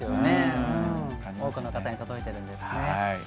多くの方に届いてるんですね。